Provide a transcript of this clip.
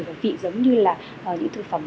và vị giống như những thực phẩm